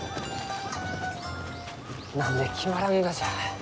何で決まらんがじゃ？